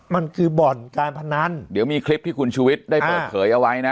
มันคือบ่อนการพนันเดี๋ยวมีคลิปที่คุณชูวิทย์ได้เปิดเผยเอาไว้นะ